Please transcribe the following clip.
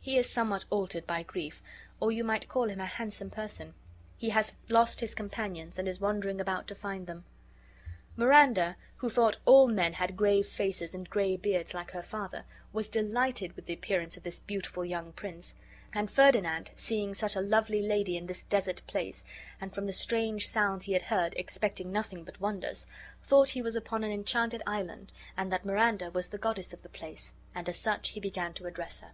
He is somewhat altered by grief, or you might call him a handsome person. He has lost his companions, and is wandering about to find them." Miranda, who thought all men had grave faces and gray beards like her father, was delighted with the appearance of this beautiful young prince; and Ferdinand, seeing such a lovely lady in this desert place, and from the strange sounds he had heard, expecting nothing but wonders, thought be was upon an enchanted island, and that Miranda was the goddess of the place, and as such he began to address her.